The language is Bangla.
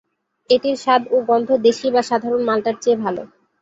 এটির স্বাদ ও গন্ধ দেশী বা সাধারণ মাল্টার চেয়ে ভাল।